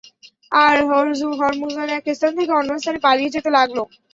আর Hormuzan এক স্থান থেকে অন্য স্থানে পালিয়ে যেতে লাগল।